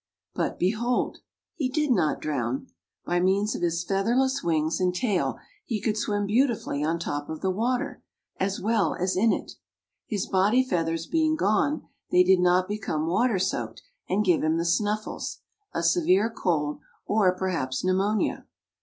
But behold! he did not drown; by means of his featherless wings and tail he could swim beautifully on top of the water as well as in it. His body feathers being gone, they did not become water soaked and give him the snuffles, a severe cold, or perhaps pneumonia.